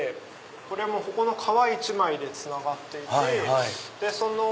これここの皮一枚でつながっていて。